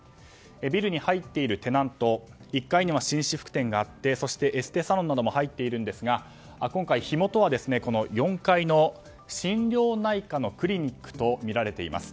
ビルに入っているテナント１階には紳士服店があってエステサロンなども入っているんですが今回、火元は４階の心療内科クリニックとみられています。